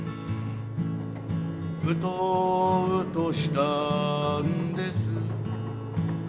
「うとうとしたんです」